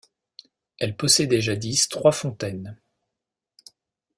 Elle possédait jadis trois fontaines.